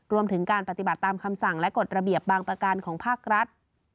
รวมถึงการปฏิบัติตามคำสั่งและกฎระเบียบบางประการของภาครัฐ